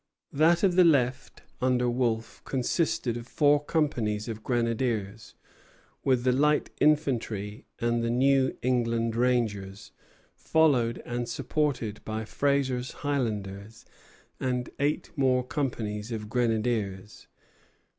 That of the left, under Wolfe, consisted of four companies of grenadiers, with the light infantry and New England rangers, followed and supported by Fraser's Highlanders and eight more companies of grenadiers.